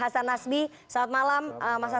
mas hasan nasmi selamat malam mas hasan